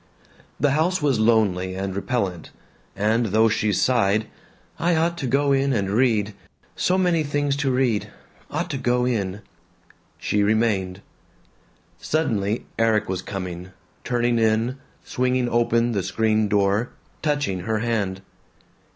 The house was lonely and repellent, and though she sighed, "I ought to go in and read so many things to read ought to go in," she remained. Suddenly Erik was coming, turning in, swinging open the screen door, touching her hand.